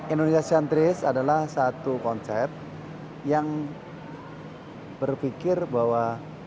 indonesia sentris adalah satu konsep yang berpikir bahwa